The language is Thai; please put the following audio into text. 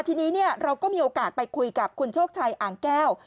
ทีนี้เราก็มีโอกาสไปคุยกับคุณโชคชัยอ่างแก้ว